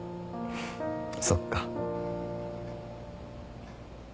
そっか。